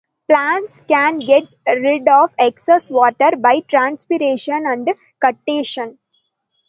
Plants can get rid of excess water by transpiration and guttation.